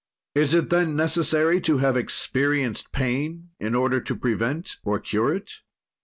"Is it, then, necessary to have experienced pain in order to prevent or cure it?